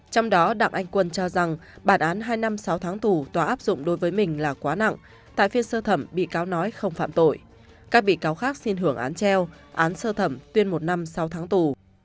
trong đó đặng anh quân cho rằng bản án hai năm sáu tháng tù tòa áp dụng đối với mình là quá nặng tại phiên sơ thẩm bị cáo nói không phạm tội các bị cáo khác xin hưởng án treo án sơ thẩm tuyên một năm sáu tháng tù